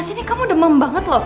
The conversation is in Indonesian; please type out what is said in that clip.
mas ini kamu demam banget loh